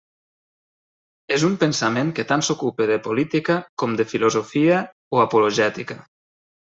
És un pensament que tant s'ocupa de política com de filosofia o apologètica.